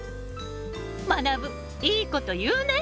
まなぶいいこと言うね！